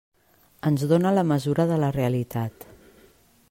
Ens dóna la mesura de la realitat.